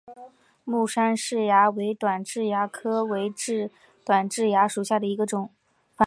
大杉氏蚜为短痣蚜科伪短痣蚜属下的一个种。